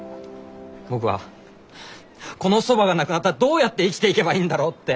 僕はこのそばがなくなったらどうやって生きていけばいいんだろうって！